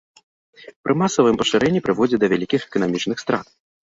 Пры масавым пашырэнні прыводзіць да вялікіх эканамічных страт.